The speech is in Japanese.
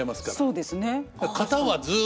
そうですね。